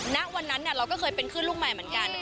ณวันนั้นเราก็เคยเป็นขึ้นลูกใหม่เหมือนกัน